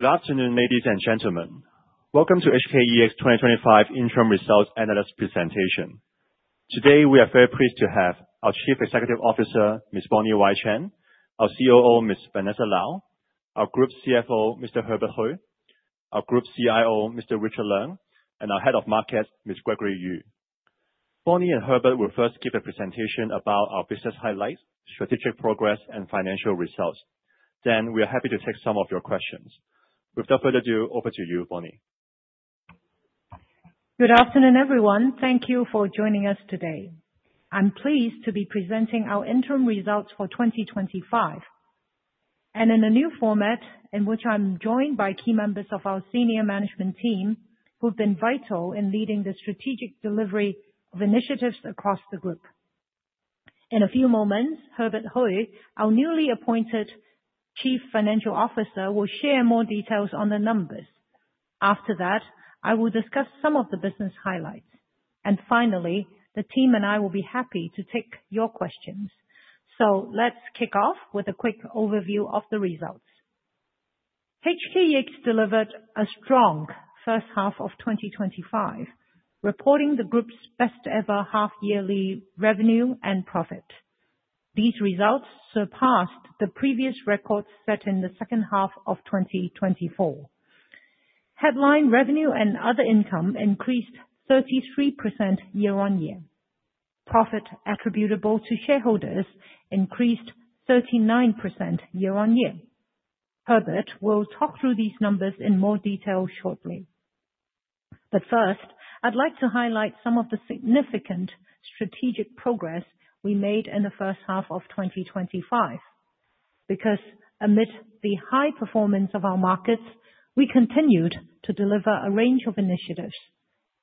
Good afternoon, ladies and gentlemen. Welcome to HKEX 2025 interim results analyst presentation. Today, we are very pleased to have our Chief Executive Officer, Ms. Bonnie Y. Chan, our COO, Ms. Vanessa Lau, our Group CFO, Mr. Herbert Hui, our Group CIO, Mr. Richard Leung, and our Head of Markets, Mr. Gregory Yu. Bonnie and Herbert will first give a presentation about our business highlights, strategic progress, and financial results. We are happy to take some of your questions. Without further ado, over to you, Bonnie. Good afternoon, everyone. Thank you for joining us today. I'm pleased to be presenting our interim results for 2025, and in a new format, in which I'm joined by key members of our senior management team who have been vital in leading the strategic delivery of initiatives across the group. In a few moments, Herbert Hui, our newly appointed Chief Financial Officer, will share more details on the numbers. After that, I will discuss some of the business highlights. Finally, the team and I will be happy to take your questions. Let's kick off with a quick overview of the results. HKEX delivered a strong first half of 2025, reporting the group's best-ever half-yearly revenue and profit. These results surpassed the previous record set in the second half of 2024. Headline revenue and other income increased 33% year-on-year. Profit attributable to shareholders increased 39% year-on-year. Herbert will talk through these numbers in more detail shortly. First, I'd like to highlight some of the significant strategic progress we made in the first half of 2025. Amid the high performance of our markets, we continued to deliver a range of initiatives,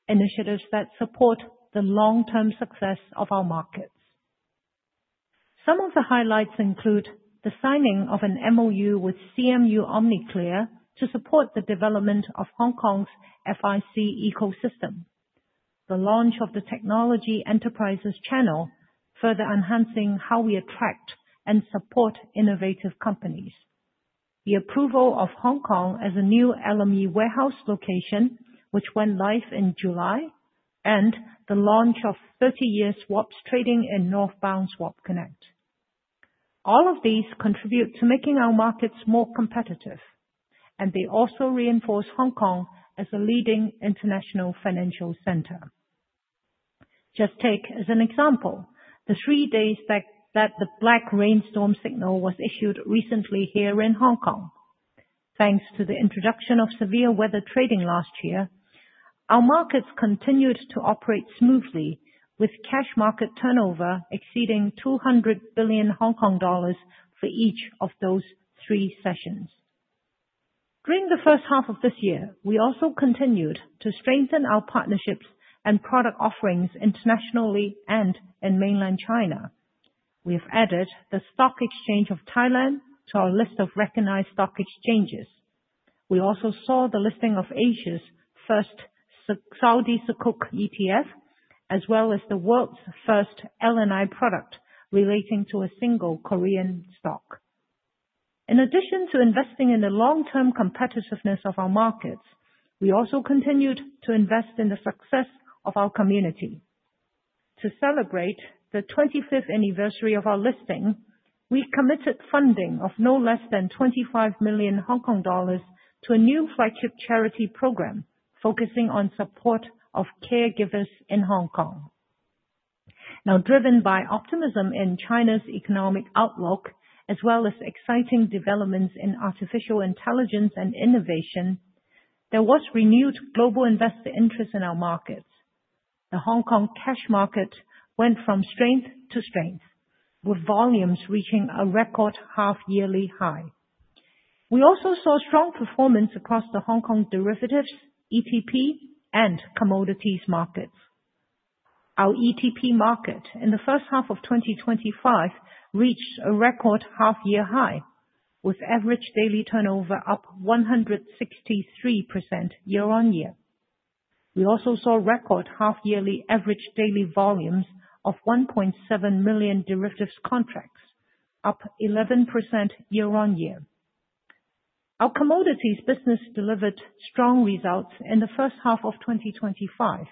initiatives that support the long-term success of our markets. Some of the highlights include the signing of an MOU with CMU OmniClear to support the development of Hong Kong's FIC ecosystem, the launch of the Technology Enterprises Channel, further enhancing how we attract and support innovative companies, the approval of Hong Kong as a new LME warehouse location, which went live in July, and the launch of 30-year swaps trading in Northbound Swap Connect. All of these contribute to making our markets more competitive, and they also reinforce Hong Kong as a leading international financial center. Just take as an example the three days that the Black Rainstorm Signal was issued recently here in Hong Kong. Thanks to the introduction of severe weather trading last year, our markets continued to operate smoothly, with cash market turnover exceeding 200 billion Hong Kong dollars for each of those three sessions. During the first half of this year, we also continued to strengthen our partnerships and product offerings internationally and in mainland China. We have added the Stock Exchange of Thailand to our list of recognized stock exchanges. We also saw the listing of Asia's first Saudi Sukuk ETF, as well as the world's first LNI product relating to a single Korean stock. In addition to investing in the long-term competitiveness of our markets, we also continued to invest in the success of our community. To celebrate the 25th anniversary of our listing, we committed funding of no less than 25 million Hong Kong dollars to a new flagship charity program focusing on support of caregivers in Hong Kong. Now, driven by optimism in China's economic outlook, as well as exciting developments in artificial intelligence and innovation, there was renewed global investor interest in our markets. The Hong Kong cash market went from strength to strength, with volumes reaching a record half-yearly high. We also saw strong performance across the Hong Kong derivatives, ETP, and commodities markets. Our ETP market in the first half of 2025 reached a record half-year high, with average daily turnover up 163% year-on-year. We also saw record half-yearly average daily volumes of 1.7 million derivatives contracts, up 11% year-on-year. Our commodities business delivered strong results in the first half of 2025.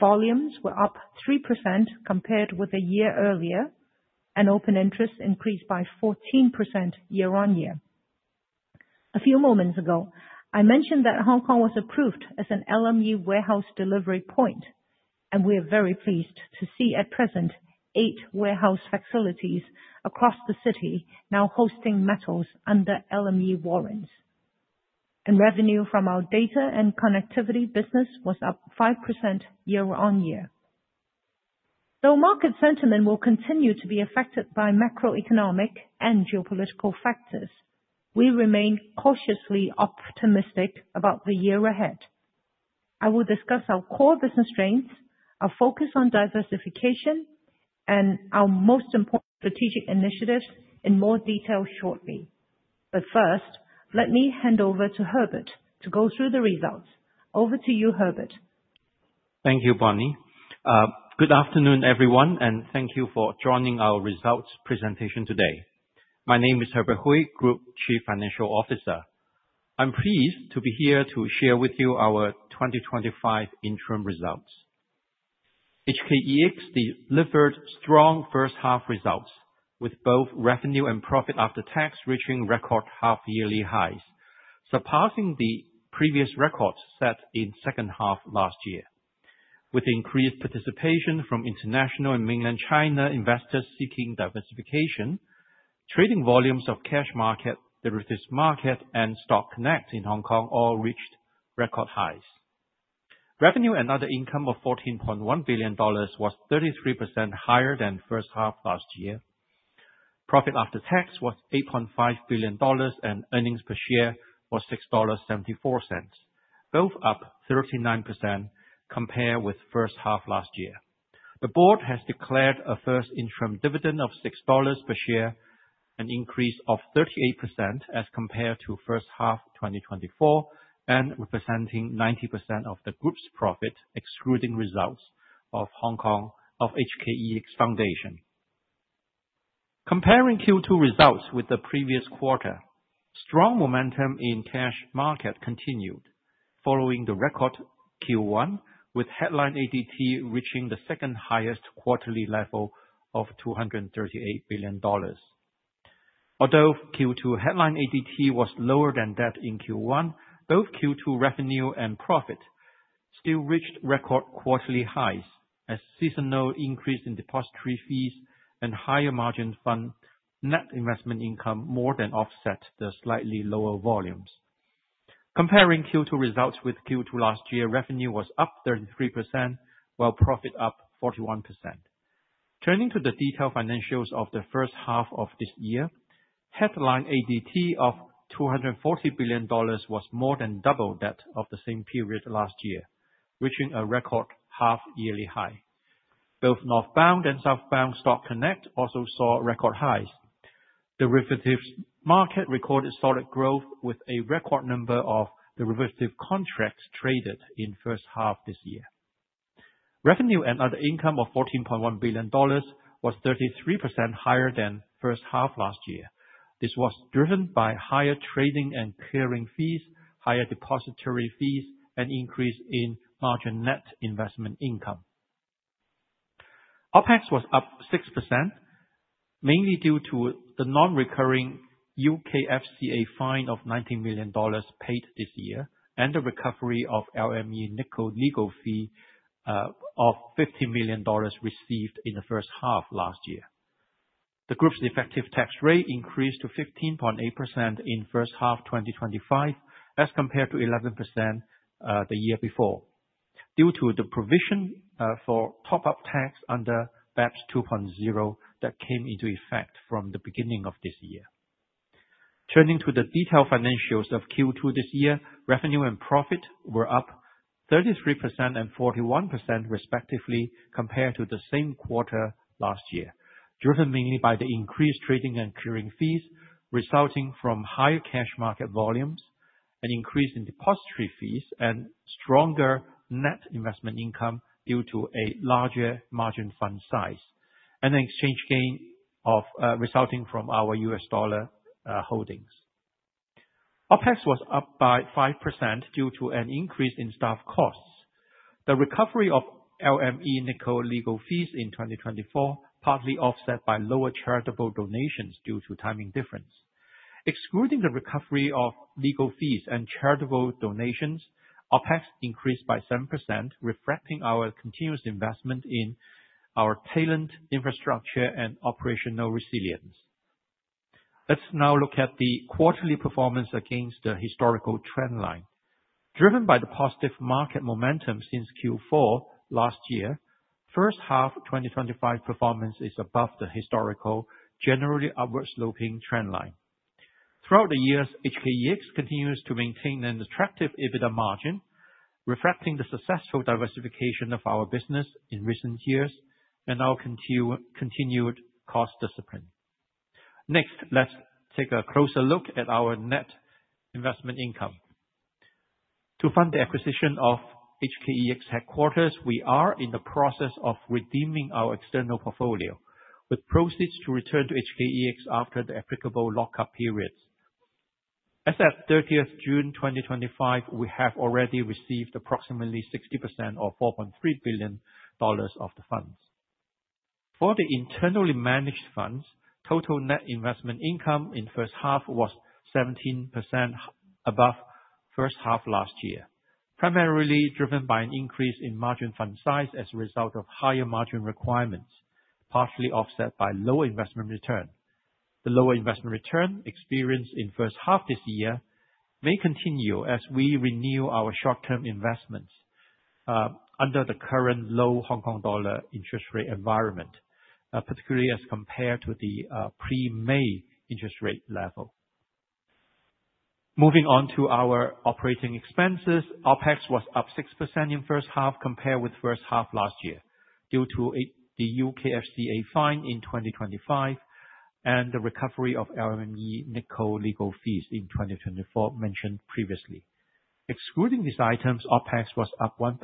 Volumes were up 3% compared with a year earlier, and open interest increased by 14% year-on-year. A few moments ago, I mentioned that Hong Kong was approved as an LME warehouse delivery point. We are very pleased to see at present eight warehouse facilities across the city now hosting metals under LME warrants. Revenue from our data and connectivity business was up 5% year-on-year. Though market sentiment will continue to be affected by macroeconomic and geopolitical factors, we remain cautiously optimistic about the year ahead. I will discuss our core business strengths, our focus on diversification, and our most important strategic initiatives in more detail shortly. First, let me hand over to Herbert to go through the results. Over to you, Herbert. Thank you, Bonnie. Good afternoon, everyone, and thank you for joining our results presentation today. My name is Herbert Hui, Group Chief Financial Officer. I'm pleased to be here to share with you our 2025 interim results. HKEX delivered strong first-half results, with both revenue and profit after tax reaching record half-yearly highs, surpassing the previous record set in the second half last year. With increased participation from international and mainland China investors seeking diversification, trading volumes of Cash Market, Derivatives Market, and Stock Connect in Hong Kong all reached record highs. Revenue and other income of 14.1 billion dollars was 33% higher than the first half last year. Profit after tax was 8.5 billion dollars, and earnings per share was 6.74 dollars, both up 39% compared with the first half last year. The board has declared a first interim dividend of 6 dollars per share, an increase of 38% as compared to the first half of 2024, and representing 90% of the group's profit, excluding results of HKEX Foundation. Comparing Q2 results with the previous quarter, strong momentum in the Cash Market continued, following the record Q1 with headline average daily turnover reaching the second highest quarterly level of 238 billion dollars. Although Q2 headline ADT was lower than that in Q1, both Q2 revenue and profit still reached record quarterly highs, as seasonal increase in depository fees and higher margin fund net investment income more than offset the slightly lower volumes. Comparing Q2 results with Q2 last year, revenue was up 33%, while profit up 41%. Turning to the detailed financials of the first half of this year, headline ADT of 240 billion dollars was more than double that of the same period last year, reaching a record half-yearly high. Both Northbound and Southbound Stock Connect also saw record highs. Derivatives Market recorded solid growth, with a record number of derivative contracts traded in the first half of this year. Revenue and other income of 14.1 billion dollars was 33% higher than the first half last year. This was driven by higher trading and clearing fees, higher depository fees, and an increase in margin net investment income. OpEx was up 6%, mainly due to the non-recurring U.K. FCA fine of 19 million dollars paid this year and the recovery of LME nickel legal fee of 15 million dollars received in the first half last year. The group's effective tax rate increased to 15.8% in the first half of 2025, as compared to 11% the year before, due to the provision for top-up tax under BEPS 2.0 that came into effect from the beginning of this year. Turning to the detailed financials of Q2 this year, revenue and profit were up 33% and 41% respectively compared to the same quarter last year, driven mainly by the increased trading and clearing fees resulting from higher cash market volumes, an increase in depository fees, and stronger net investment income due to a larger margin fund size, and an exchange gain resulting from our U.S. dollar holdings. OpEx was up by 5% due to an increase in staff costs. The recovery of LME nickel legal fees in 2024 partly offset by lower charitable donations due to timing difference. Excluding the recovery of legal fees and charitable donations, OpEx increased by 7%, reflecting our continuous investment in our tailwind infrastructure and operational resilience. Let's now look at the quarterly performance against the historical trend line. Driven by the positive market momentum since Q4 last year, the first half of 2025 performance is above the historical, generally upward-sloping trend line. Throughout the years, HKEX continues to maintain an attractive EBITDA margin, reflecting the successful diversification of our business in recent years and our continued cost discipline. Next, let's take a closer look at our net investment income. To fund the acquisition of HKEX headquarters, we are in the process of redeeming our external portfolio, with proceeds to return to HKEX after the applicable lock-up periods. As of 30th June 2025, we have already received approximately 60% or 4.3 billion dollars of the funds. For the internally managed funds, total net investment income in the first half was 17% above the first half last year, primarily driven by an increase in margin fund size as a result of higher margin requirements, partly offset by lower investment return. The lower investment return experienced in the first half of this year may continue as we renew our short-term investments under the current low Hong Kong dollar interest rate environment, particularly as compared to the pre-May interest rate level. Moving on to our operating expenses, OpEx was up 6% in the first half compared with the first half last year, due to the U.K. FCA fine in 2025 and the recovery of LME nickel legal fees in 2024 mentioned previously. Excluding these items, OpEx was up 1%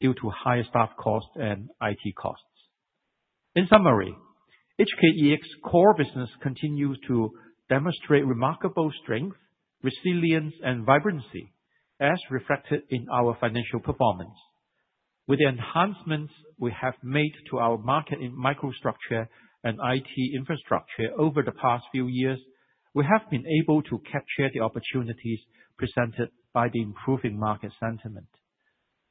due to higher staff costs and IT costs. In summary, HKEX's core business continues to demonstrate remarkable strength, resilience, and vibrancy, as reflected in our financial performance. With the enhancements we have made to our market microstructure and IT infrastructure over the past few years, we have been able to capture the opportunities presented by the improving market sentiment.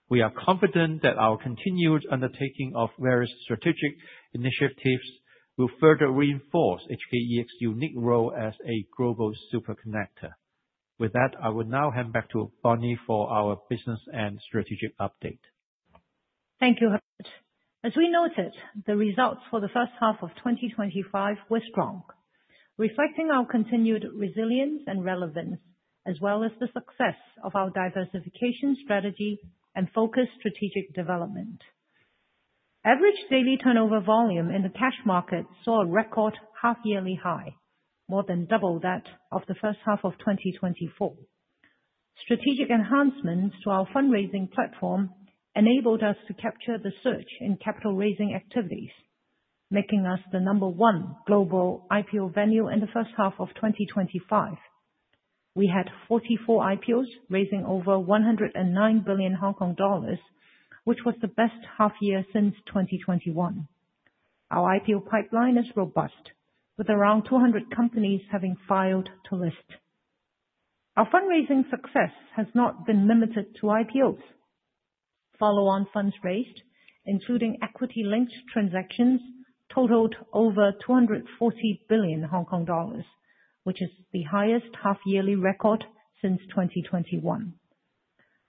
We are confident that our continued undertaking of various strategic initiatives will further reinforce HKEX's unique role as a global superconnector. With that, I will now hand back to Bonnie for our business and strategic update. Thank you, Herbert. As we noted, the results for the first half of 2025 were strong, reflecting our continued resilience and relevance, as well as the success of our diversification strategy and focused strategic development. Average daily turnover volume in the Cash Market saw a record half-yearly high, more than double that of the first half of 2024. Strategic enhancements to our fundraising platform enabled us to capture the surge in capital-raising activities, making us the No. 1 global IPO venue in the first half of 2025. We had 44 IPOs, raising over 109 billion Hong Kong dollars, which was the best half-year since 2021. Our IPO pipeline is robust, with around 200 companies having filed to list. Our fundraising success has not been limited to IPOs. Follow-on funds raised, including equity-linked transactions, totaled over 240 billion Hong Kong dollars, which is the highest half-yearly record since 2021.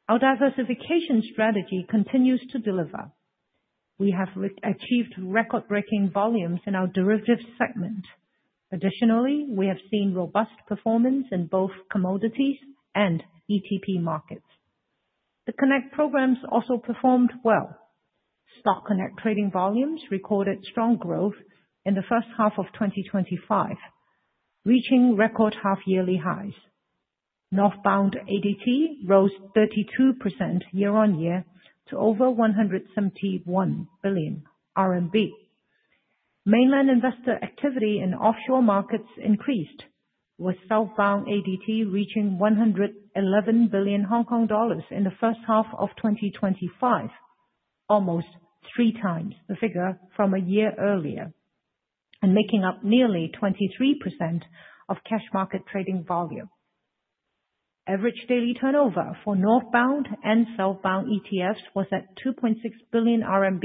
Our diversification strategy continues to deliver. We have achieved record-breaking volumes in our Derivatives segment. Additionally, we have seen robust performance in both Commodities and ETP Markets. The Connect programs also performed well. Stock Connect trading volumes recorded strong growth in the first half of 2025, reaching record half-yearly highs. Northbound ADT rose 32% year-on-year to over 171 billion RMB. Mainland investor activity in offshore markets increased, with Southbound ADT reaching 111 billion Hong Kong dollars in the first half of 2025, almost three times the figure from a year earlier, and making up nearly 23% of Cash Market trading volume. Average daily turnover for Northbound and Southbound ETFs was at 2.6 billion RMB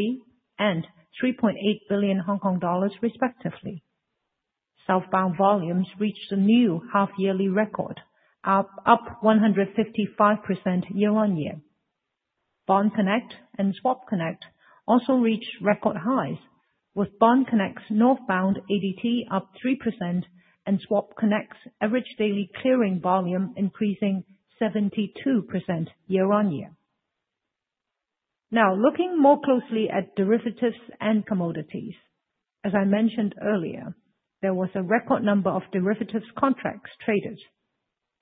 and 3.8 billion Hong Kong dollars, respectively. Southbound volumes reached a new half-yearly record, up 155% year-on-year. Bond Connect and Swap Connect also reached record highs, with Bond Connect's Northbound ADT up 3% and Swap Connect's average daily clearing volume increasing 72% year-on-year. Now, looking more closely at derivatives and commodities, as I mentioned earlier, there was a record number of derivatives contracts traded.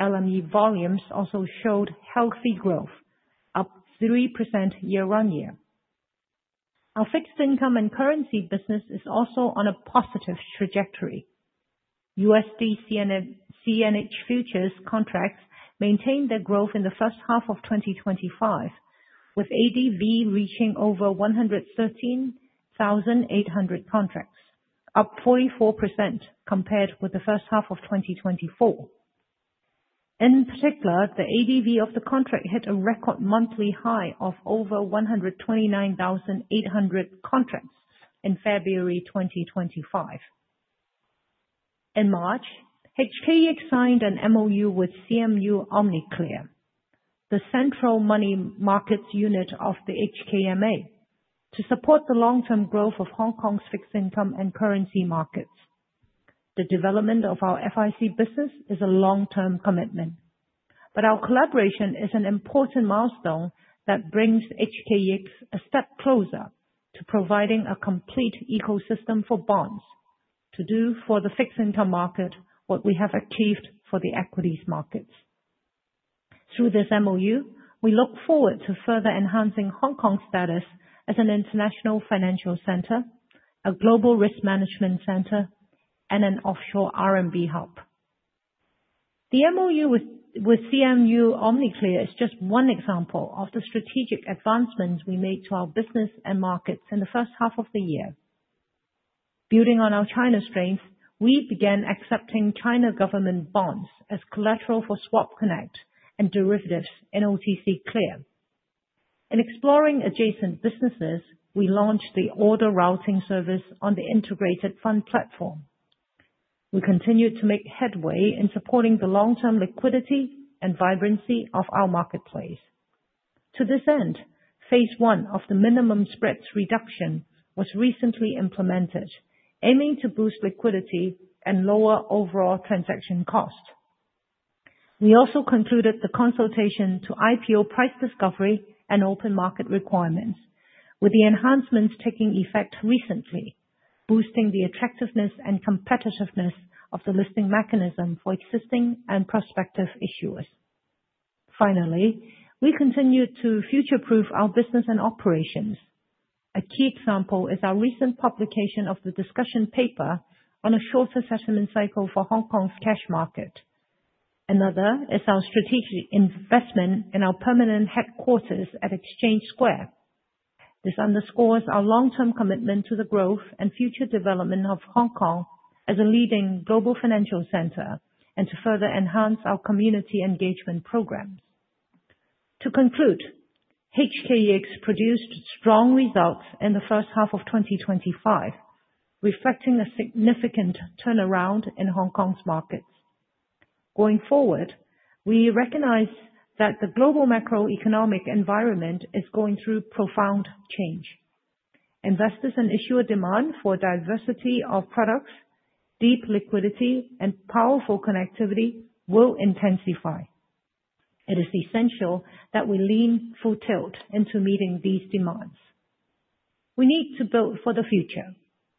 LME volumes also showed healthy growth, up 3% year-on-year. Our fixed income and currency business is also on a positive trajectory. USD CNH futures contracts maintained their growth in the first half of 2025, with ADV reaching over 113,800 contracts, up 44% compared with the first half of 2024. In particular, the ADV of the contract hit a record monthly high of over 129,800 contracts in February 2025. In March, HKEX signed an MOU with CMU OmniClear, the Central Moneymarkets Unit of the HKMA, to support the long-term growth of Hong Kong's fixed income and currency markets. The development of our FIC business is a long-term commitment, but our collaboration is an important milestone that brings HKEX a step closer to providing a complete ecosystem for bonds, to do for the fixed income market what we have achieved for the equities markets. Through this MOU, we look forward to further enhancing Hong Kong's status as an international financial center, a global risk management center, and an offshore RMB hub. The MOU with CMU OmniClear is just one example of the strategic advancements we made to our business and markets in the first half of the year. Building on our China strength, we began accepting China government bonds as collateral for Swap Connect and derivatives in OTC Clear. In exploring adjacent businesses, we launched the order routing service on the integrated fund platform. We continue to make headway in supporting the long-term liquidity and vibrancy of our marketplace. To this end, phase one of the minimum spreads reduction was recently implemented, aiming to boost liquidity and lower overall transaction costs. We also concluded the consultation to IPO price discovery and open market requirements, with the enhancements taking effect recently, boosting the attractiveness and competitiveness of the listing mechanism for existing and prospective issuers. Finally, we continue to future-proof our business and operations. A key example is our recent publication of the discussion paper on a shorter settlement cycle for Hong Kong's cash market. Another is our strategic investment in our permanent headquarters at Exchange Square. This underscores our long-term commitment to the growth and future development of Hong Kong as a leading global financial center and to further enhance our community engagement program. To conclude, HKEX produced strong results in the first half of 2025, reflecting a significant turnaround in Hong Kong's markets. Going forward, we recognize that the global macroeconomic environment is going through profound change. Investors and issuer demand for diversity of products, deep liquidity, and powerful connectivity will intensify. It is essential that we lean full tilt into meeting these demands. We need to build for the future,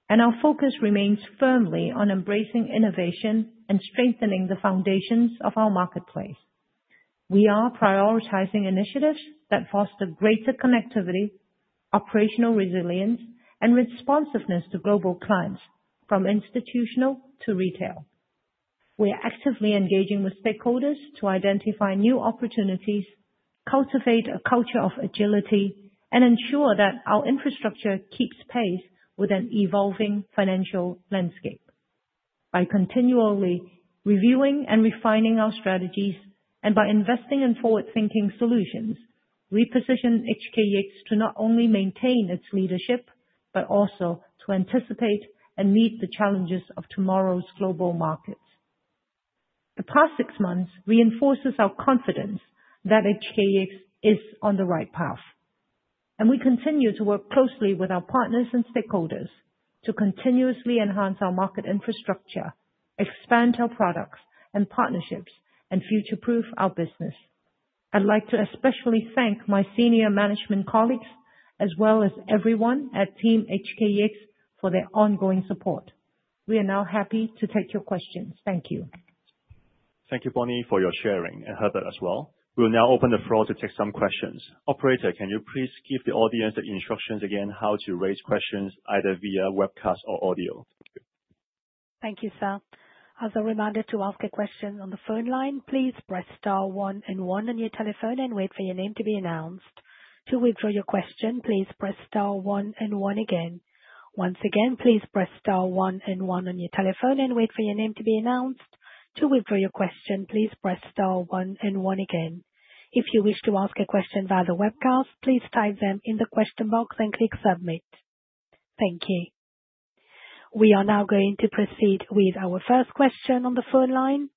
and our focus remains firmly on embracing innovation and strengthening the foundations of our marketplace. We are prioritizing initiatives that foster greater connectivity, operational resilience, and responsiveness to global clients, from institutional to retail. We are actively engaging with stakeholders to identify new opportunities, cultivate a culture of agility, and ensure that our infrastructure keeps pace with an evolving financial landscape. By continually reviewing and refining our strategies, and by investing in forward-thinking solutions, we position HKEX to not only maintain its leadership but also to anticipate and meet the challenges of tomorrow's global markets. The past six months reinforce our confidence that HKEX is on the right path, and we continue to work closely with our partners and stakeholders to continuously enhance our market infrastructure, expand our products and partnerships, and future-proof our business. I'd like to especially thank my Senior Management colleagues, as well as everyone at Team HKEX, for their ongoing support. We are now happy to take your questions. Thank you. Thank you, Bonnie, for your sharing, and Herbert as well. We'll now open the floor to take some questions. Operator, can you please give the audience the instructions again on how to raise questions, either via webcast or audio? Thank you, sir. As a reminder, to ask a question on the phone line, please press star one and one on your telephone and wait for your name to be announced. To withdraw your question, please press star one and one again. Once again, please press star one and one on your telephone and wait for your name to be announced. To withdraw your question, please press star one and one again. If you wish to ask a question via the webcast, please type them in the question box and click submit. Thank you. We are now going to proceed with our first question on the phone line.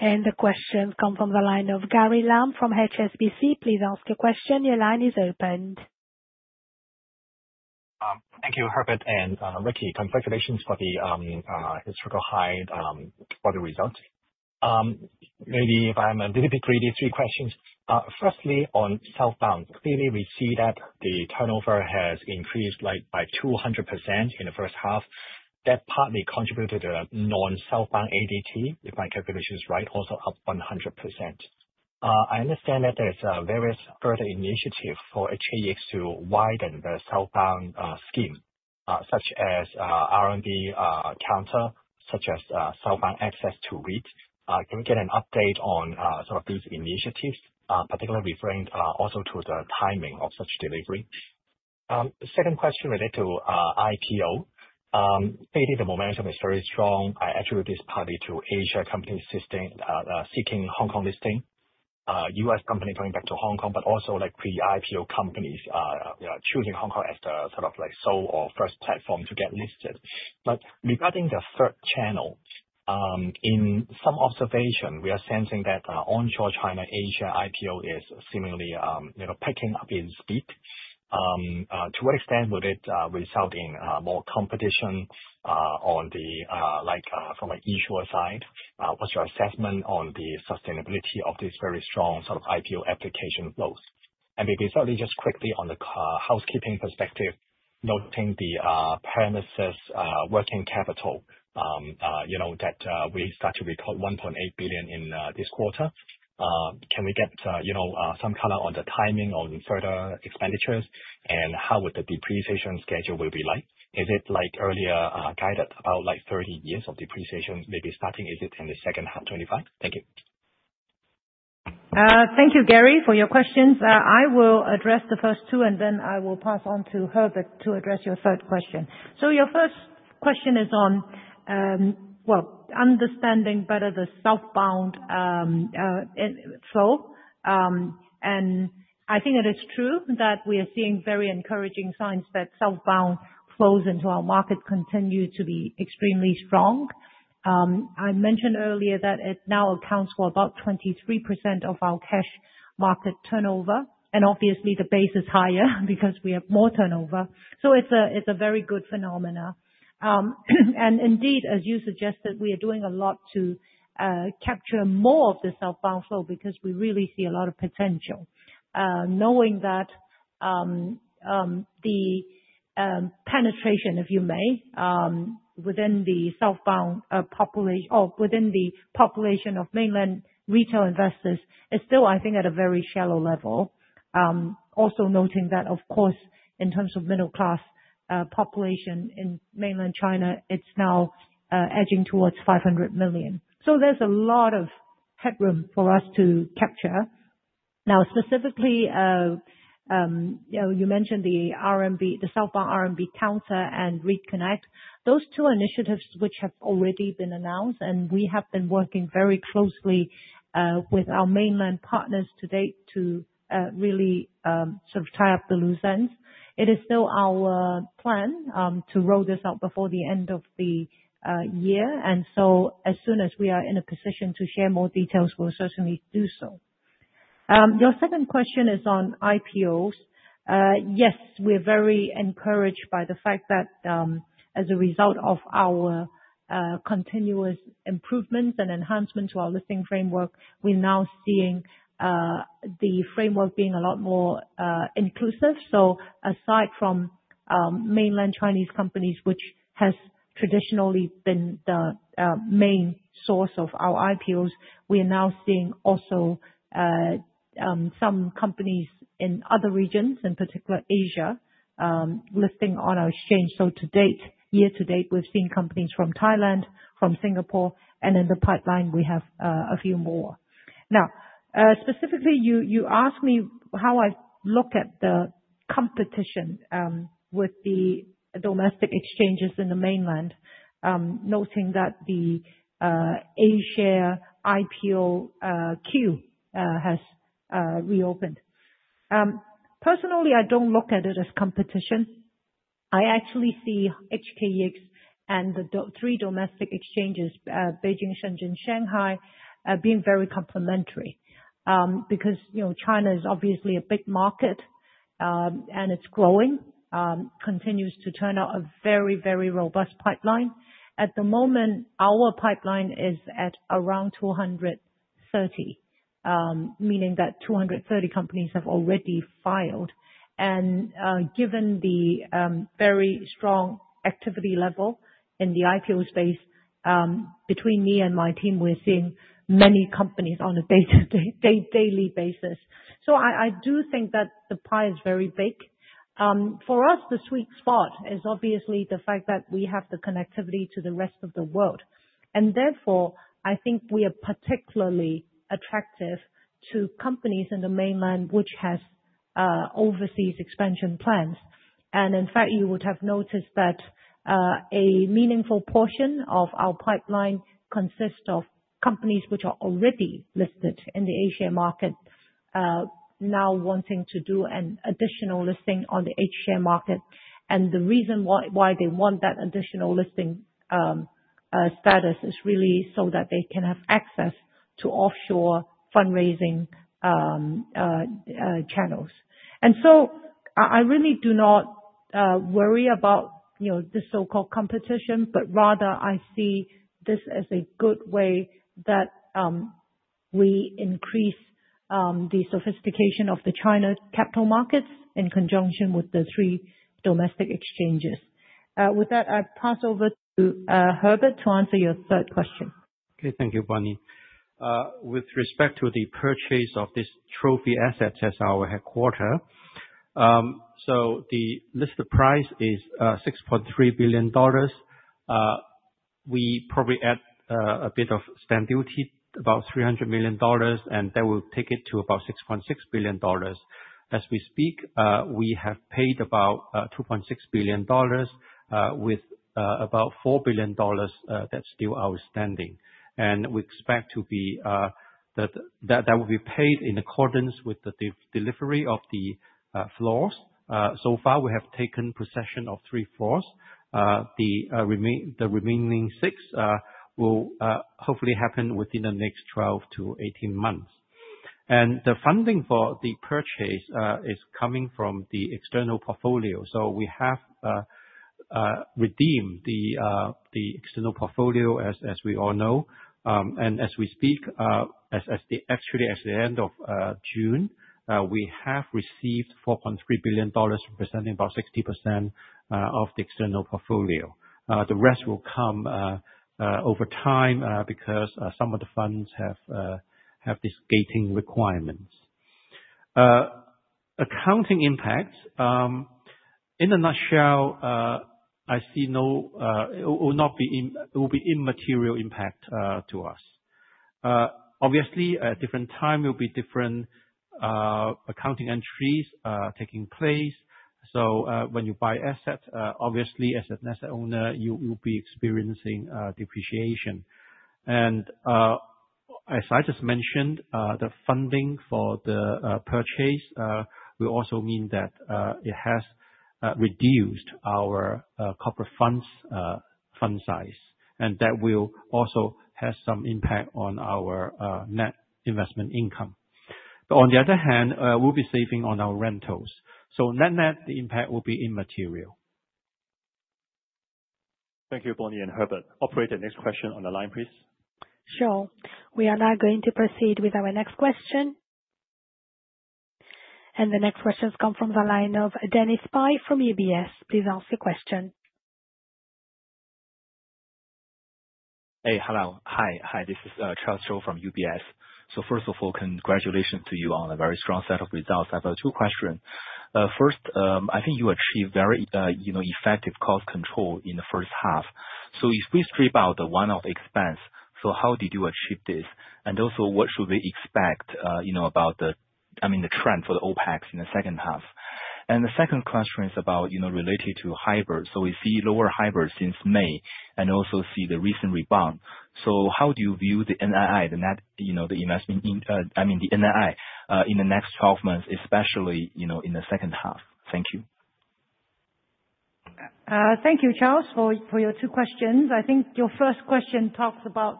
The questions come from the line of Gary Lam from HSBC. Please ask your question. Your line is opened. Thank you, Herbert, and Ricky. Congratulations for the historical high for the results. Maybe if I'm a little bit greedy, three questions. Firstly, on Southbound, clearly we see that the turnover has increased by 200% in the first half. That partly contributed to the non-Southbound ADT, if my calculation is right, also up 100%. I understand that there's various further initiatives for HKEX to widen the Southbound scheme, such as RMB counter, such as Southbound access to REIT. Can we get an update on some of these initiatives, particularly referring also to the timing of such delivery? Second question related to IPO. Clearly, the momentum is very strong. I attribute this partly to Asia companies seeking Hong Kong listing, U.S. companies going back to Hong Kong, but also pre-IPO companies choosing Hong Kong as the sort of sole or first platform to get listed. Regarding the third channel, in some observation, we are sensing that onshore China-Asia IPO is seemingly picking up its beat. To what extent would it result in more competition from an issuer side? What's your assessment on the sustainability of this very strong sort of IPO application flows? Thirdly, just quickly on the housekeeping perspective, noting the premises working capital, you know, that we start to record 1.8 billion in this quarter. Can we get some color on the timing on further expenditures and how would the depreciation schedule be like? Is it like earlier guided about 30 years of depreciation maybe starting? Is it in the second half of 2025? Thank you. Thank you, Gary, for your questions. I will address the first two, and then I will pass on to Herbert to address your third question. Your first question is on understanding better the Southbound flow. I think it is true that we are seeing very encouraging signs that Southbound flows into our market continue to be extremely strong. I mentioned earlier that it now accounts for about 23% of our cash market turnover. Obviously, the base is higher because we have more turnover. It is a very good phenomenon. Indeed, as you suggested, we are doing a lot to capture more of the Southbound flow because we really see a lot of potential. Knowing that the penetration, if you may, within the Southbound population, or within the population of mainland retail investors, is still, I think, at a very shallow level. Also noting that, of course, in terms of middle-class population in mainland China, it's now edging towards 500 million. There is a lot of headroom for us to capture. Now, specifically, you mentioned the Southbound RMB counter and REIT Connect. Those two initiatives, which have already been announced, and we have been working very closely with our mainland partners today to really sort of tie up the loose ends. It is still our plan to roll this out before the end of the year. As soon as we are in a position to share more details, we'll certainly do so. Your second question is on IPOs. Yes, we're very encouraged by the fact that as a result of our continuous improvements and enhancements to our listing framework, we're now seeing the framework being a lot more inclusive. Aside from mainland Chinese companies, which have traditionally been the main source of our IPOs, we are now seeing also some companies in other regions, in particular Asia, listing on our exchange. To date, year to date, we've seen companies from Thailand, from Singapore, and in the pipeline, we have a few more. Now, specifically, you asked me how I look at the competition with the domestic exchanges in the mainland, noting that the Asia IPO queue has reopened. Personally, I don't look at it as competition. I actually see HKEX and the three domestic exchanges, Beijing, Shenzhen, Shanghai, being very complementary. China is obviously a big market, and it's growing, continues to turn out a very, very robust pipeline. At the moment, our pipeline is at around 230, meaning that 230 companies have already filed. Given the very strong activity level in the IPO space, between me and my team, we're seeing many companies on a daily basis. I do think that the pie is very big. For us, the sweet spot is obviously the fact that we have the connectivity to the rest of the world. Therefore, I think we are particularly attractive to companies in the mainland, which have overseas expansion plans. In fact, you would have noticed that a meaningful portion of our pipeline consists of companies which are already listed in the Asia market, now wanting to do an additional listing on the Asia market. The reason why they want that additional listing status is really so that they can have access to offshore fundraising channels. I really do not worry about the so-called competition, but rather I see this as a good way that we increase the sophistication of the China capital markets in conjunction with the three domestic exchanges. With that, I pass over to Herbert to answer your third question. Okay. Thank you, Bonnie. With respect to the purchase of this trophy asset as our headquarter, the listed price is 6.3 billion dollars. We probably add a bit of stamp duty, about 300 million dollars, and that will take it to about 6.6 billion dollars. As we speak, we have paid about 2.6 billion dollars, with about 4 billion dollars still outstanding. We expect that will be paid in accordance with the delivery of the floors. So far, we have taken possession of three floors. The remaining six will hopefully happen within the next 12-18 months. The funding for the purchase is coming from the external portfolio. We have redeemed the external portfolio, as we all know. As we speak, actually, at the end of June, we have received 4.3 billion dollars, representing about 60% of the external portfolio. The rest will come over time because some of the funds have these gating requirements. Accounting impacts, in a nutshell, I see it will be immaterial impact to us. Obviously, at different times, there will be different accounting entries taking place. When you buy assets, obviously, as an asset owner, you'll be experiencing depreciation. As I just mentioned, the funding for the purchase will also mean that it has reduced our corporate funds' fund size. That will also have some impact on our net investment income. On the other hand, we'll be saving on our rentals. Net-net, the impact will be immaterial. Thank you, Bonnie and Herbert. Operator, next question on the line, please. Sure. We are now going to proceed with our next question. The next questions come from the line of [Dennis Pai] from UBS. Please ask your question. Hello. Hi, this is [Charles Chou] from UBS. First of all, congratulations to you on a very strong set of results. I've got two questions. First, I think you achieved very effective cost control in the first half. If we strip out the one-off expense, how did you achieve this? What should we expect about the trend for the OpEx in the second half? The second question is related to hybrid. We see lower hybrids since May and also see the recent rebound. How do you view the NII, the net investment, I mean, the NII in the next 12 months, especially in the second half? Thank you. Thank you, Charles, for your two questions. I think your first question talks about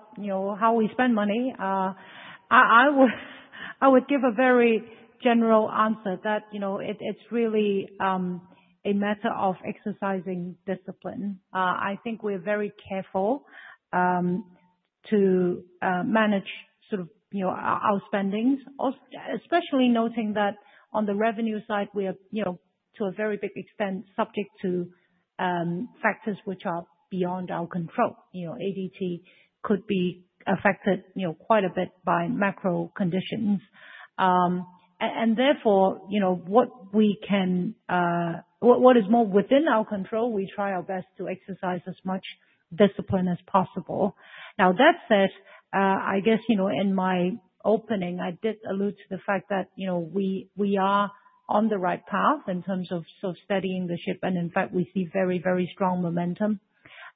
how we spend money. I would give a very general answer that it's really a matter of exercising discipline. I think we're very careful to manage our spendings, especially noting that on the revenue side, we are, to a very big extent, subject to factors which are beyond our control. ADT could be affected quite a bit by macro conditions. Therefore, what is more within our control, we try our best to exercise as much discipline as possible. That said, I guess in my opening, I did allude to the fact that we are on the right path in terms of steadying the ship. In fact, we see very, very strong momentum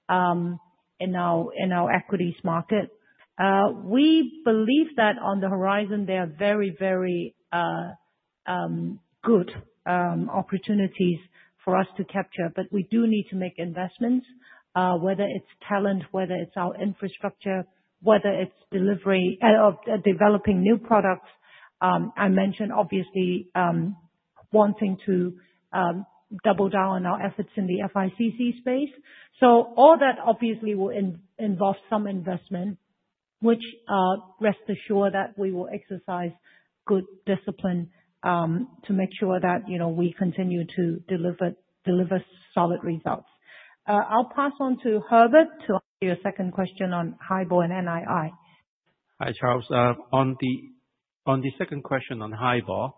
in our equities market. We believe that on the horizon, there are very, very good opportunities for us to capture. We do need to make investments, whether it's talent, whether it's our infrastructure, whether it's delivery of developing new products. I mentioned, obviously, wanting to double down on our efforts in the FIC ecosystem. All that obviously will involve some investment, which rest assured that we will exercise good discipline to make sure that we continue to deliver solid results. I'll pass on to Herbert to your second question on HIBOR and NII. Hi, Charles. On the second question on HIBOR,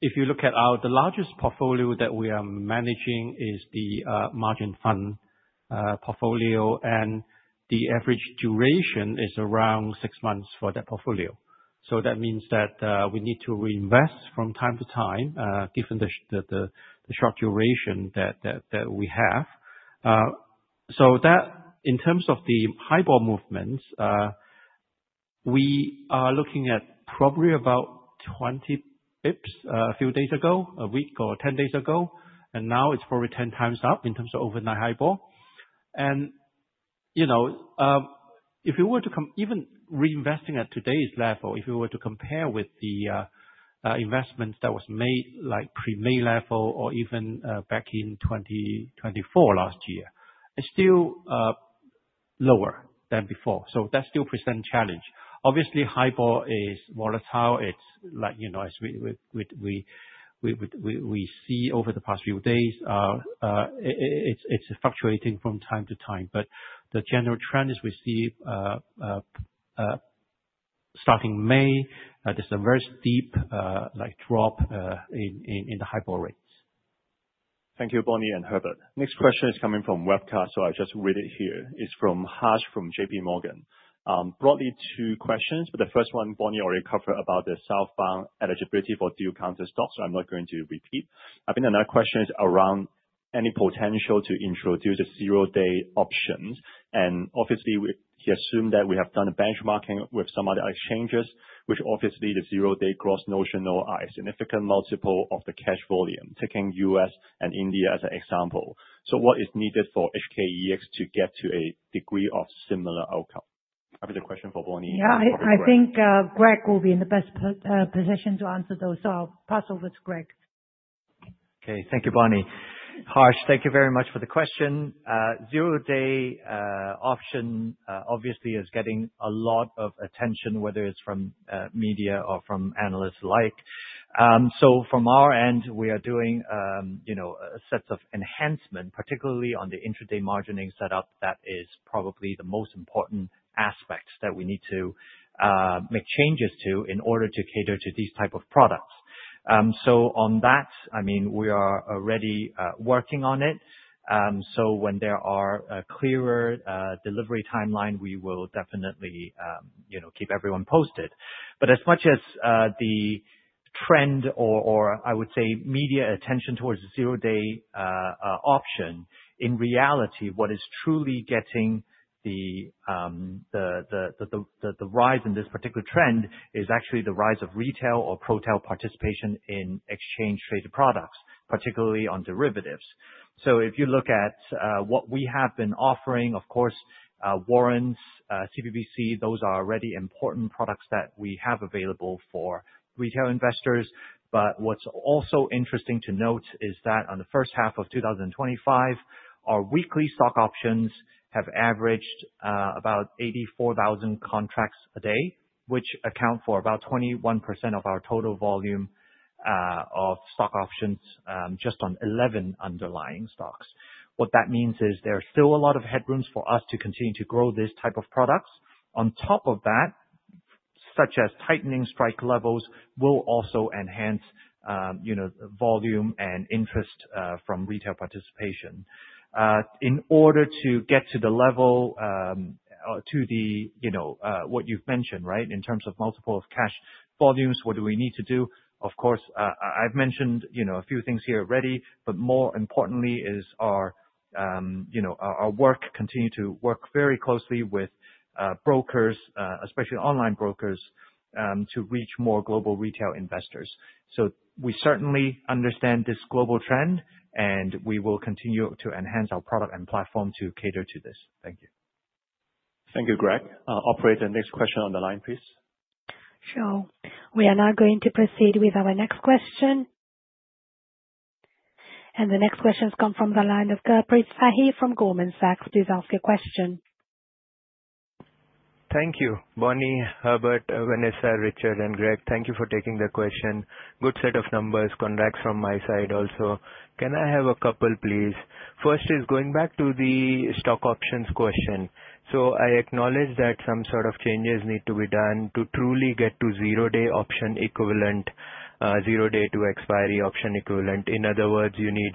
if you look at our largest portfolio that we are managing, it is the margin fund portfolio, and the average duration is around six months for that portfolio. That means we need to reinvest from time to time, given the short duration that we have. In terms of the HIBOR movements, we are looking at probably about 20 pips a few days ago, a week or 10 days ago. Now it's probably 10 times up in terms of overnight HIBOR. If you were to come even reinvesting at today's level, if you were to compare with the investments that were made like pre-May level or even back in 2024 last year, it's still lower than before. That still presents a challenge. Obviously, HIBOR is volatile. As we see over the past few days, it's fluctuating from time to time. The general trend is we see starting May, there's a very steep drop in the HIBOR rates. Thank you, Bonnie and Herbert. Next question is coming from webcast, so I just read it here. It's from Hasnain from JPMorgan. Broadly, two questions. For the first one, Bonnie already covered about the Southbound eligibility for dual counter stocks, so I'm not going to repeat. I think another question is around any potential to introduce the zero-day options. Obviously, we assume that we have done benchmarking with some of the exchanges, which obviously the zero-day gross notional is a significant multiple of the cash volume, taking U.S. and India as an example. What is needed for HKEX to get to a degree of similar outcome? That would be the question for Bonnie. Yeah, I think Greg will be in the best position to answer those, so I'll pass over to Greg. Okay. Thank you, Bonnie. Thank you very much for the question. Zero-day option obviously is getting a lot of attention, whether it's from media or from analysts alike. From our end, we are doing a sense of enhancement, particularly on the intraday margining setup. That is probably the most important aspect that we need to make changes to in order to cater to these types of products. On that, we are already working on it. When there are clearer delivery timelines, we will definitely keep everyone posted. As much as the trend, or I would say media attention towards the zero-day option, in reality, what is truly getting the rise in this particular trend is actually the rise of retail or pro-tail participation in exchange-traded products, particularly on derivatives. If you look at what we have been offering, of course, Warrants, CBBC, those are already important products that we have available for retail investors. What's also interesting to note is that in the first half of 2025, our weekly stock options have averaged about 84,000 contracts a day, which accounts for about 21% of our total volume of stock options just on 11 underlying stocks. What that means is there are still a lot of headrooms for us to continue to grow these types of products. On top of that, such as tightening strike levels will also enhance volume and interest from retail participation. In order to get to the level or to what you've mentioned, right, in terms of multiple of cash volumes, what do we need to do? I've mentioned a few things here already, but more importantly is our work continues to work very closely with brokers, especially online brokers, to reach more global retail investors. We certainly understand this global trend, and we will continue to enhance our product and platform to cater to this. Thank you. Thank you, Greg. Operator, next question on the line, please. Sure. We are now going to proceed with our next question. The next questions come from the line of Gurpreet Sahi from Goldman Sachs. Please ask your question. Thank you, Bonnie, Herbert, Vanessa, Richard, and Greg. Thank you for taking the question. Good set of numbers, congrats from my side also. Can I have a couple, please? First is going back to the stock options question. I acknowledge that some sort of changes need to be done to truly get to zero-day option equivalent, zero-day to expiry option equivalent. In other words, you need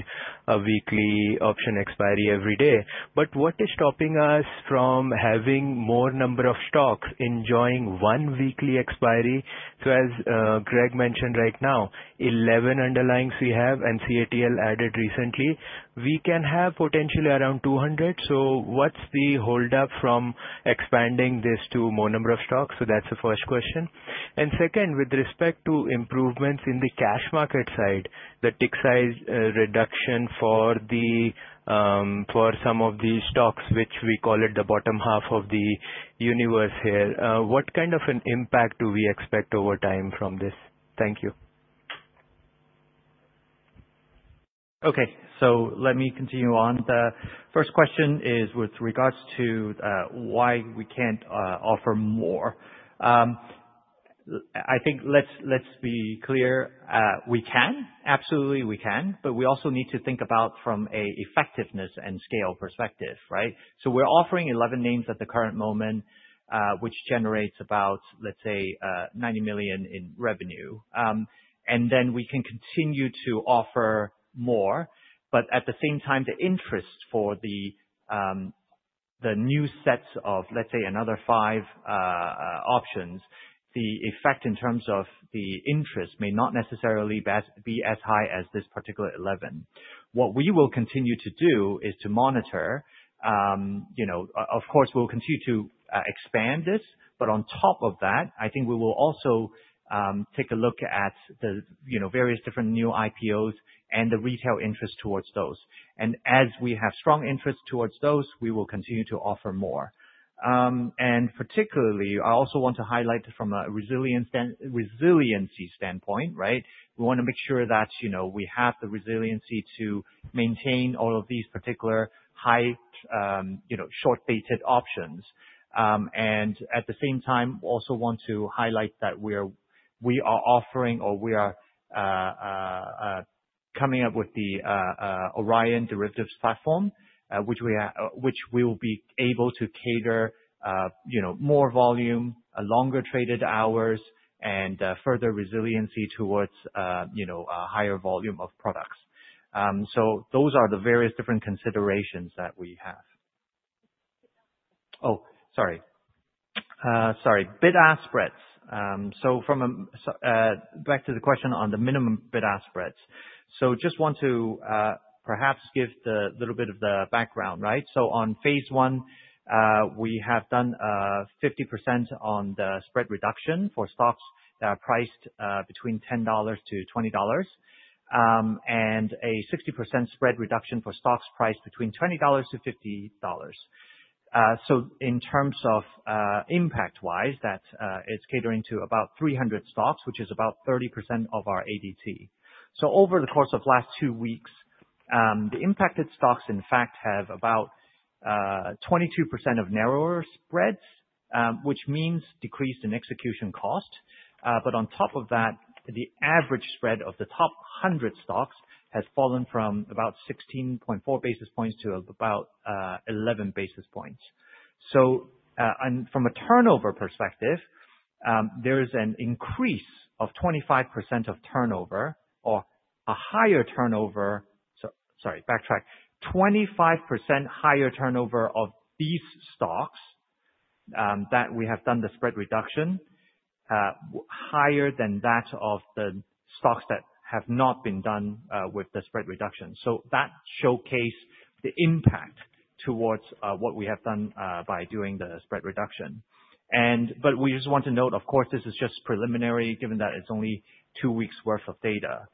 a weekly option expiry every day. What is stopping us from having more number of stocks enjoying one weekly expiry? As Greg mentioned right now, 11 underlyings we have, and CATL added recently. We can have potentially around 200. What is the holdup from expanding this to more number of stocks? That is the first question. Second, with respect to improvements in the cash market side, the tick size reduction for some of these stocks, which we call the bottom half of the universe here, what kind of an impact do we expect over time from this? Thank you. Okay. Let me continue on. The first question is with regards to why we can't offer more. I think let's be clear. We can. Absolutely, we can. We also need to think about from an effectiveness and scale perspective, right? We're offering 11 names at the current moment, which generates about 90 million in revenue. We can continue to offer more. At the same time, the interest for the new sets of, let's say, another five options, the effect in terms of the interest may not necessarily be as high as this particular 11. What we will continue to do is to monitor. Of course, we'll continue to expand this. On top of that, I think we will also take a look at the various different new IPOs and the retail interest towards those. As we have strong interest towards those, we will continue to offer more. Particularly, I also want to highlight from a resiliency standpoint, right? We want to make sure that we have the resiliency to maintain all of these particular high, short-dated options. At the same time, we also want to highlight that we are offering or we are coming up with the Orion Derivatives platform, which we will be able to cater more volume, longer traded hours, and further resiliency towards a higher volume of products. Those are the various different considerations that we have. Sorry. Bid-ask spreads. Back to the question on the minimum bid-ask spreads. Just want to perhaps give a little bit of the background, right? On phase I, we have done 50% on the spread reduction for stocks that are priced between 10-20 dollars, and a 60% spread reduction for stocks priced between 20-50 dollars. In terms of impact-wise, it's catering to about 300 stocks, which is about 30% of our average daily turnover. Over the course of the last two weeks, the impacted stocks, in fact, have about 22% of narrower spreads, which means a decrease in execution cost. On top of that, the average spread of the top 100 stocks has fallen from about 16.4 basis points to about 11 basis points. From a turnover perspective, there's an increase of 25% of turnover, or a higher turnover. Sorry, backtrack. 25% higher turnover of these stocks that we have done the spread reduction, higher than that of the stocks that have not been done with the spread reduction. That showcases the impact towards what we have done by doing the spread reduction. We just want to note, of course, this is just preliminary, given that it's only two weeks' worth of data.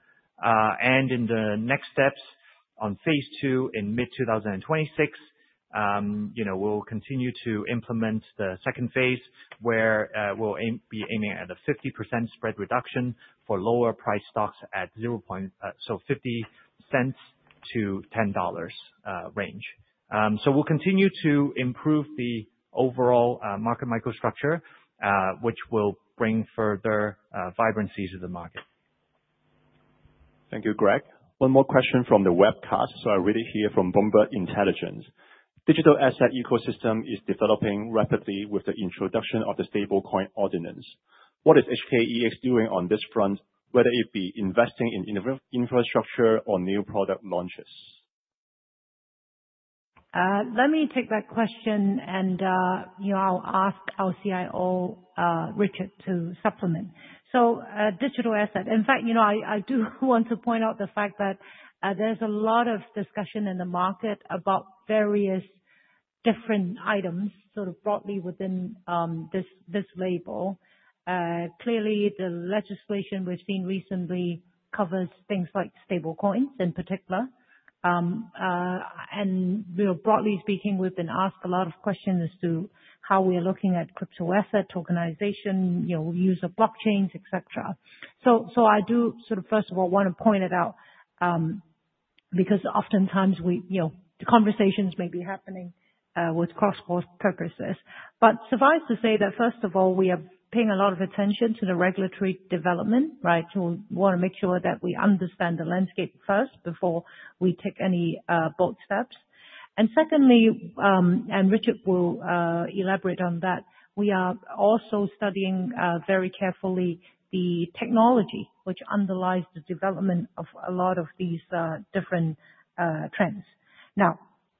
In the next steps on phase II, in mid-2026, we'll continue to implement the second phase, where we'll be aiming at a 50% spread reduction for lower-priced stocks at the 0.50-10 dollars range. We'll continue to improve the overall market microstructure, which will bring further vibrancy to the market. Thank you, Greg. One more question from the webcast. I read it here from Bomber Intelligence. Digital asset ecosystem is developing rapidly with the introduction of the stablecoin ordinance. What is HKEX doing on this front, whether it be investing in infrastructure or new product launches? Let me take that question, and I'll ask our CIO, Richard Leung, to supplement. Digital asset, in fact, I do want to point out the fact that there's a lot of discussion in the market about various different items broadly within this label. Clearly, the legislation we've seen recently covers things like stablecoins in particular. We are, broadly speaking, we've been asked a lot of questions as to how we are looking at crypto asset tokenization, use of blockchains, et cetera. I do, first of all, want to point it out because oftentimes, the conversations may be happening with cross-purpose. Suffice to say that, first of all, we are paying a lot of attention to the regulatory developments, right? We want to make sure that we understand the landscape first before we take any bold steps. Secondly, and Richard will elaborate on that, we are also studying very carefully the technology which underlies the development of a lot of these different trends.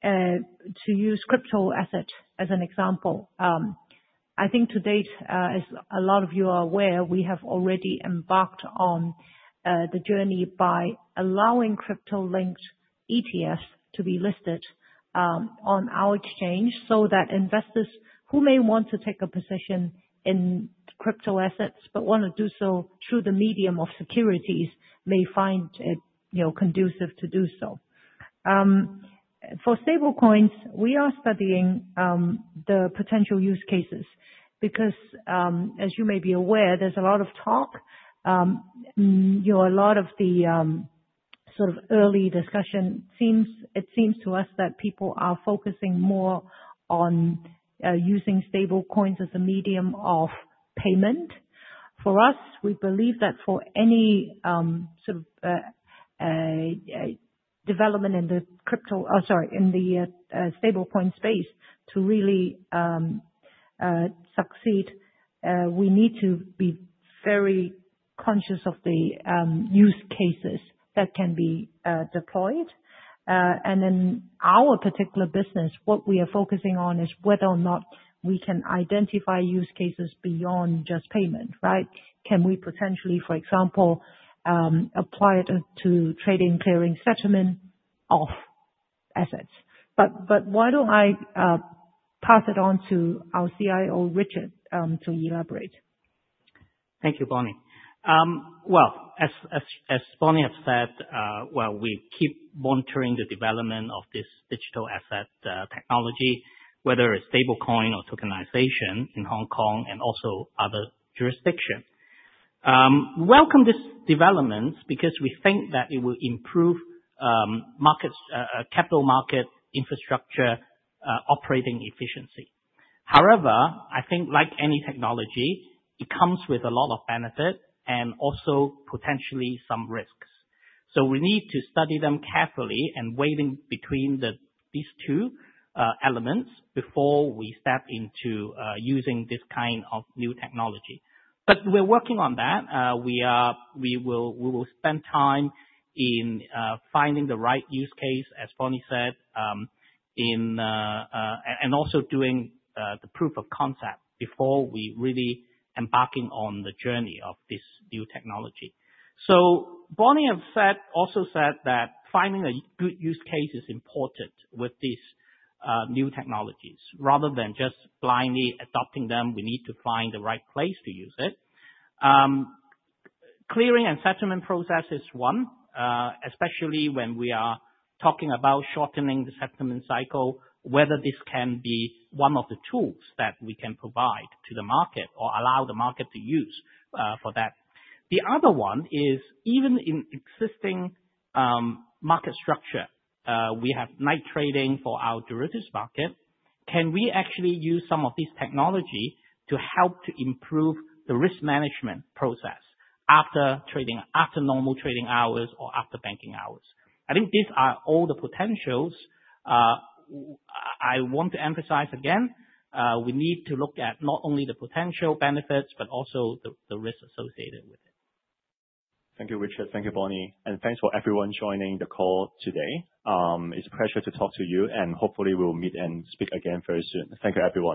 To use crypto assets as an example, I think to date, as a lot of you are aware, we have already embarked on the journey by allowing crypto-linked ETFs to be listed on our exchange so that investors who may want to take a position in crypto assets but want to do so through the medium of securities may find it conducive to do so. For stablecoins, we are studying the potential use cases because, as you may be aware, there's a lot of talk. A lot of the early discussion seems, it seems to us that people are focusing more on using stablecoins as a medium of payment. For us, we believe that for any sort of development in the stablecoin space to really succeed, we need to be very conscious of the use cases that can be deployed. In our particular business, what we are focusing on is whether or not we can identify use cases beyond just payment, right? Can we potentially, for example, apply it to trading, clearing, settlement of assets? Why don't I pass it on to our CIO, Richard, to elaborate? Thank you, Bonnie. As Bonnie has said, we keep monitoring the development of this digital asset technology, whether it's stablecoin or tokenization in Hong Kong and also other jurisdictions. We welcome these developments because we think that it will improve capital market infrastructure operating efficiency. However, I think, like any technology, it comes with a lot of benefits and also potentially some risks. We need to study them carefully and weigh between these two elements before we step into using this kind of new technology. We're working on that. We will spend time in finding the right use case, as Bonnie said, and also doing the proof of concept before we really embark on the journey of this new technology. Bonnie has also said that finding a good use case is important with these new technologies. Rather than just blindly adopting them, we need to find the right place to use it. Clearing and settlement process is one, especially when we are talking about shortening the settlement cycle, whether this can be one of the tools that we can provide to the market or allow the market to use for that. The other one is, even in existing market structure, we have night trading for our derivatives market. Can we actually use some of this technology to help to improve the risk management process after trading, after normal trading hours, or after banking hours? I think these are all the potentials. I want to emphasize again, we need to look at not only the potential benefits, but also the risks associated with it. Thank you, Richard. Thank you, Bonnie. Thank you to everyone joining the call today. It's a pleasure to talk to you, and hopefully, we'll meet and speak again very soon. Thank you, everyone.